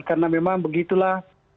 karena memang begitulah